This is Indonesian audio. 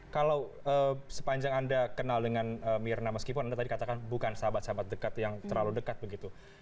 kalau sepanjang anda kenal dengan mirna meskipun anda tadi katakan bukan sahabat sahabat dekat yang terlalu dekat begitu